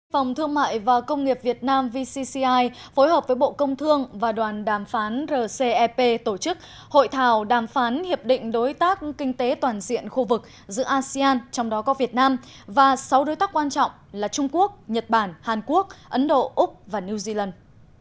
phòng thương mại và công nghiệp việt nam vcci phối hợp với bộ công thương và đoàn đàm phán rcep tổ chức hội thảo đàm phán hiệp định đối tác kinh tế toàn diện khu vực giữa asean trong đó có việt nam và sáu đối tác quan trọng là trung quốc nhật bản hàn quốc ấn độ úc và new zealand